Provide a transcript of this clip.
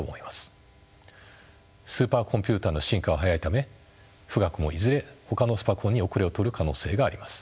スーパーコンピュータの進化は速いため富岳もいずれほかのスパコンに後れを取る可能性があります。